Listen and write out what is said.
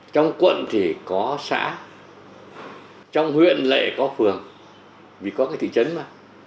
trong quận thì có xã trong huyện lệ có phường vì có cái thị trấn mà